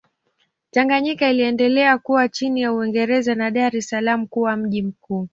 Tanganyika iliendelea kuwa chini ya Uingereza na Dar es Salaam kuwa mji mkuu.